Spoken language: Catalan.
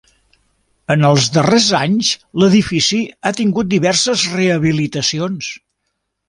En els darrers anys l'edifici ha tingut diverses rehabilitacions.